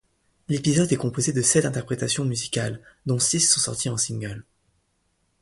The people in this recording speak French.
L'épisode est composé de sept interprétations musicales, dont six sont sorties en single.